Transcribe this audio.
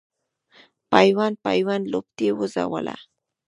پیوند پیوند لوپټې وځلوه